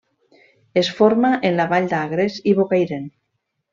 Es forma en la vall d'Agres i Bocairent.